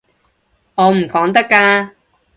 我唔講得㗎